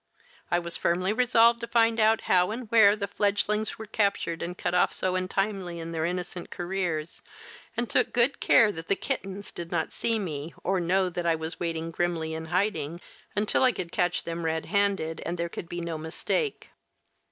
I was firmly resolved to find out how and where the fledglings were captured and cut off so untimely in their innocent careers and took good care that the kittens did not see me or know that I was waiting grimly in hiding until I could catch them red handed, and there could be no mistake.